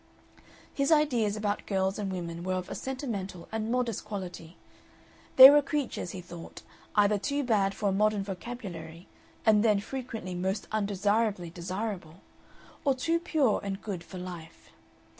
His ideas about girls and women were of a sentimental and modest quality; they were creatures, he thought, either too bad for a modern vocabulary, and then frequently most undesirably desirable, or too pure and good for life.